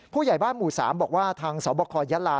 ผู้ใหญ่บ้านหมู่๓บอกว่าทางสบคยะลา